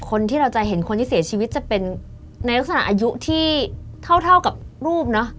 คนที่เราจะเห็นคนที่เสียชีวิตจะเป็นในลักษณะอายุที่เท่ากับรูปเนอะ